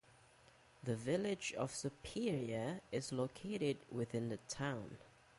The Village of Superior is located within the town.